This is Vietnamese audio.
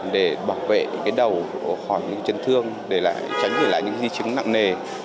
để bảo vệ cái đầu khỏi những chấn thương để tránh gửi lại những di chứng nặng nề